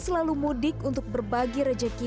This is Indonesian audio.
selalu mudik untuk berbagi rejeki